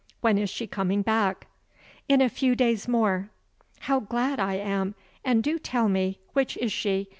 When is she coming back?" "In a few days more." "How glad I am! And do tell me which is she?